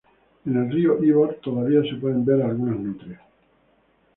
En el río Ibor todavía se pueden ver algunas nutrias.